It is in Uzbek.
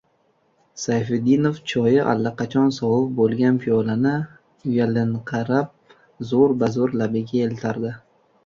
Sayfiddinov choyi allaqachon sovib bo‘lgan piyolani uyalinqirab zo‘r-bazo‘r labiga eltardi.